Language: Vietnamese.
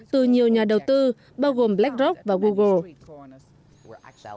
từ nhiều nhà đầu tư bao gồm blackrock và google